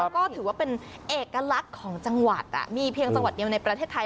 ก็ถือว่าเป็นเอกลักษณ์ของจังหวัดมีเพียงจังหวัดเดียวในประเทศไทย